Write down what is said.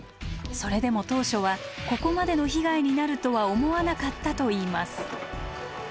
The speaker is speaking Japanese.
それでも当初はここまでの被害になるとは思わなかったといいます。